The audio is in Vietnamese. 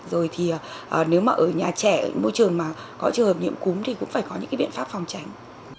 rồi thì nếu mà ở nhà trẻ môi trường mà có trường hợp nhiễm cúm thì cũng phải có những cái biện pháp phòng tránh